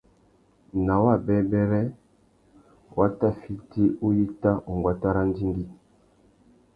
Nà wabêbêrê, wa tà fiti uyíta unguata râ andjingüî.